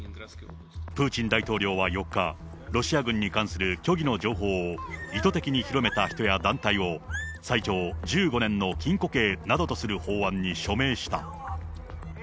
プーチン大統領は４日、ロシア軍に関する虚偽の情報を、意図的に広めた人や団体を、最長１５年の禁錮刑などとする法案に署名した。